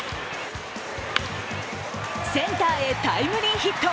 センターへタイムリーヒット。